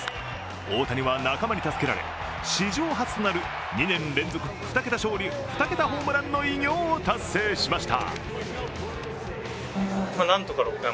大谷は、仲間に助けられ史上初となる２年連続２桁勝利、２桁ホームランの偉業を達成しました。